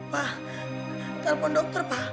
pak panggil dokter